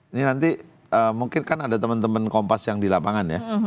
ini nanti mungkin kan ada teman teman kompas yang di lapangan ya